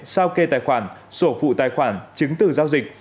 sao kê tài khoản sổ phụ tài khoản chứng từ giao dịch